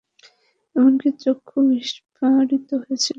এমনকি চক্ষু বিস্ফারিত হয়েছিল।